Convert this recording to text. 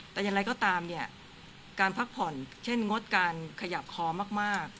แต่อย่างไรก็ตามเนี่ยการพักผ่อนเช่นงดการขยับคอมาก